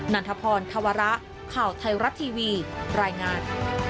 ันทพรธวระข่าวไทยรัฐทีวีรายงาน